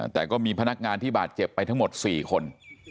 แต่ก็มีพนักงานที่บาดเจ็บไปทั้งหมด๔คน